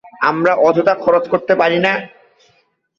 আমরা অযথা খরচ করতে পারি না।